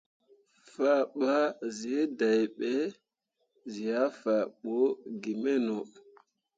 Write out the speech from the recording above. Fah ɓa zǝ deɓe zǝ ah fan bu gimeno.